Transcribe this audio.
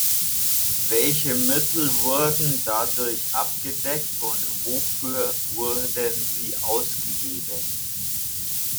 Welche Mittel wurden dadurch abgedeckt und wofür wurden sie ausgegeben?